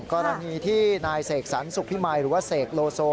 กรณีที่นายเสกสรรสุขพิมายหรือว่าเสกโลโซ